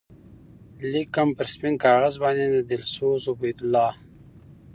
لیکم پر سپین کاغذ باندی دلسوز عبیدالله